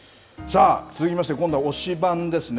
続きまして、今度は推しバン！ですね。